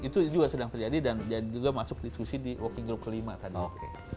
itu juga sedang terjadi dan juga masuk diskusi di working group kelima tadi oke